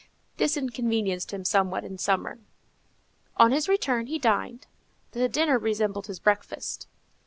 This inconvenienced him somewhat in summer. On his return, he dined. The dinner resembled his breakfast.